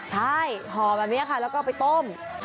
ใช่ห่อแบบนี้ค่ะแล้วก็ไปต้ม